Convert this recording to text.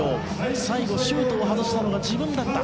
最後シュートを外したのが自分だった。